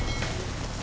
nggak ada apa apa